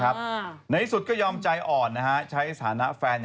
ทำไมทำผมไม่มีแฟน